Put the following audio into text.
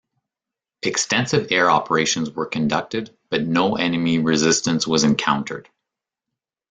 Extensive air operations were conducted, but no enemy resistance was encountered.